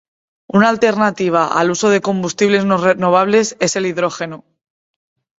Una alternativa al uso de combustibles no renovables es el hidrógeno.